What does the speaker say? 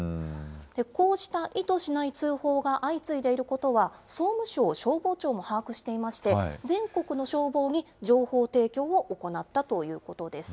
こうした意図しない通報が相次いでいることは、総務省消防庁も把握していまして、全国の消防に情報提供を行ったということです。